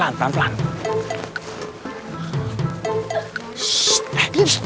eh eh cepetan anak anak kucak kucak